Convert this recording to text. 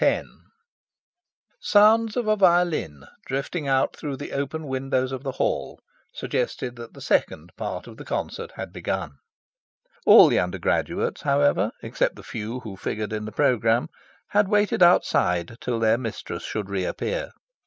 X Sounds of a violin, drifting out through the open windows of the Hall, suggested that the second part of the concert had begun. All the undergraduates, however, except the few who figured in the programme, had waited outside till their mistress should re appear.